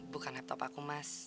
bukan laptop aku mas